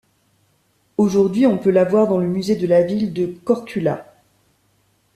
Aujourd'hui, on peut la voir dans le musée de la ville de Korčula.